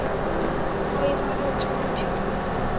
তোরই ভালোর জন্য ছিল।